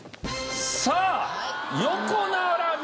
さあ横並び